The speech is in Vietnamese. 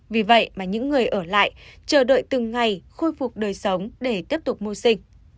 vì vậy mà những người ở lại chờ đợi từng ngày khôi phục đời sống để tiếp tục mưu sinh